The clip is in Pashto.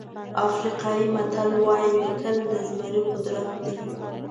افریقایي متل وایي لیکل د زمري قدرت دی.